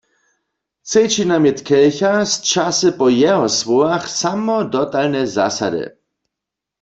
Třeći namjet Kelcha střase po jeho słowach samo dotalne zasady.